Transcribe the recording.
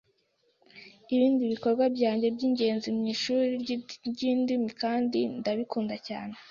Ibindi bikorwa byanjye byingenzi mwishuri ryindimi kandi ndabikunda cyane.